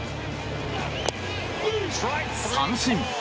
三振！